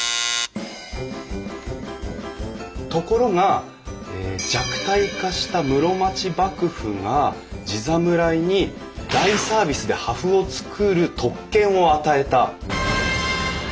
ところが弱体化した室町幕府が地侍に大サービスで破風を作る特権を与えた。